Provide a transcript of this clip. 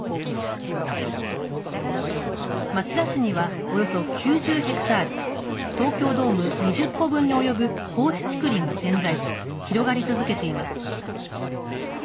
町田市にはおよそ９０ヘクタール、東京ドーム２０個分に及ぶ放置竹林が点在し、広がり続けています。